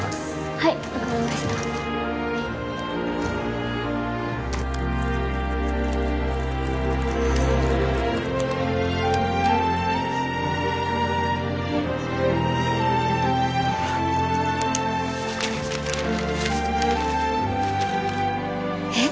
はい分かりましたえっ？